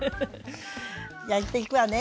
焼いていくわね。